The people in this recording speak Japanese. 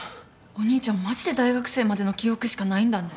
お兄ちゃんマジで大学生までの記憶しかないんだね。